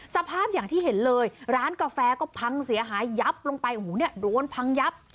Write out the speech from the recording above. สภาพอย่างที่เห็นเลยร้านกาแฟก็พังเสียหายยับลงไปโอ้โหเนี่ยโดนพังยับ